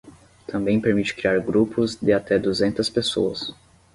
Também permite criar grupos de até duzentas pessoas.